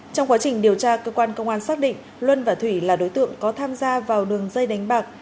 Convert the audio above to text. trong quá trình điều tra cơ quan công an xác định luân và thủy là đối tượng có tham gia vào đường dây đánh bạc